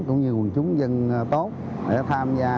cũng như quần chúng dân tốt để tham gia